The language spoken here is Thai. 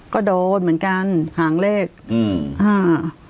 ก็โดนเหมือนกันหางเลขอืมอ่า